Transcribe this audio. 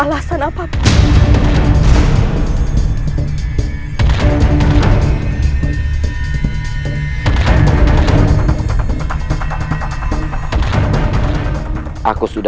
apa yang akan jadi kejurusnya